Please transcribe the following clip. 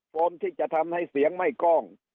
คนที่จะทำให้เสียงไม่กล้อง